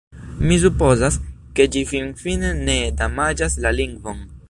Mi supozas, ke ĝi finfine ne damaĝas la lingvon.